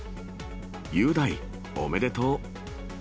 雄大、おめでとう。